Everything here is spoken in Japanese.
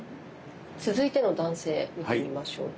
続いての男性見てみましょう。